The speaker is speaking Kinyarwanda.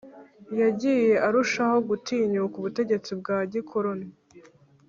Yagiye arushaho gutinyuka ubutegetsi bwa gikoloni